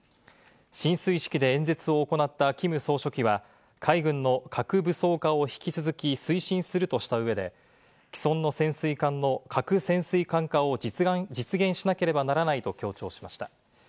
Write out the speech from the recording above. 進水式で演説を行ったキム総書記は海軍の核武装化を引き続き推進するとした上で、既存の潜水艦の核潜水艦化を実現しなければならないと強調しました。